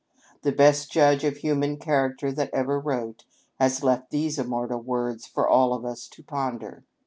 The best judge of human char acter that ever wrote has left these immortal words for all of us to ponder : 620 APPMNDlJi.